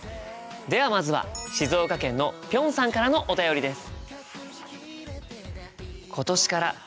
ではまずは静岡県のぴょんさんからのお便りです。